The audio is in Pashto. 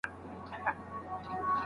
کمې خبرې وکړئ او ډیر کار وکړئ.